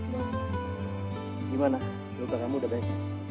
gimana luka kamu udah baik